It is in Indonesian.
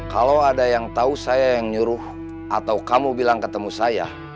kalau ada yang tahu saya yang nyuruh atau kamu bilang ketemu saya